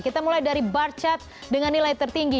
kita mulai dari barcat dengan nilai tertinggi